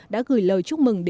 đã gửi lời chúc mừng